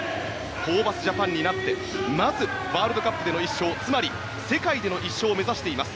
ホーバスジャパンになってまずワールドカップでの１勝つまり世界での１勝を目指しています。